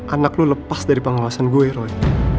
anak lo lepas dari pengawasan gue roy